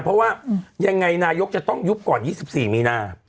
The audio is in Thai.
เพราะว่ายังไงนายกจะต้องยุบก่อน๒๔มีนา